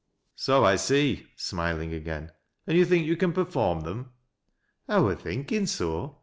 " So I see," smiling again. " And you think you can perform them?" " I wur thinkin' so.